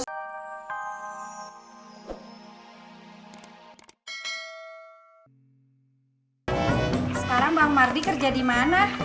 sekarang bang mardi kerja di mana